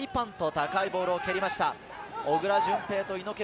高いボールを蹴りました。